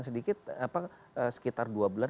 sedikit sekitar dua bulan